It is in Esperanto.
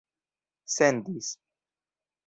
sendis